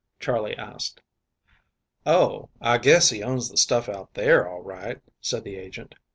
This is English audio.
Charley asked. "Oh, I guess he owns the stuff out there, all right," said the agent.